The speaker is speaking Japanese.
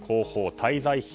滞在費